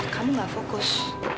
kamu gak fokus